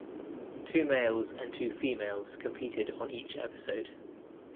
Two males and two females competed on each episode.